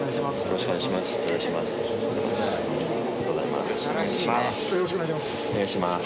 よろしくお願いします